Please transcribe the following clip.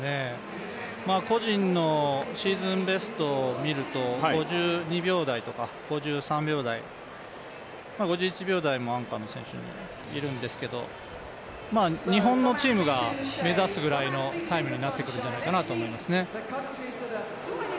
個人のシーズンベストを見ると、５２秒台とか５３秒台、５１秒台もアンカーの選手にいるんですけれども、日本のチームが目指すぐらいのタイムになってくるんじゃないかなと思いますね。